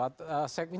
saya melihat segmen